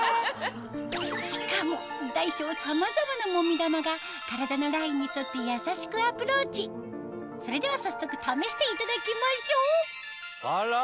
しかも大小さまざまなモミ玉が体のラインに沿って優しくアプローチそれでは早速試していただきましょうあら！